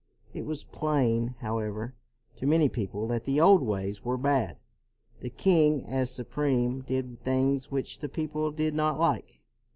It was plain, however, to many people that the old ways were bad. The king as supreme did things which the people did not like.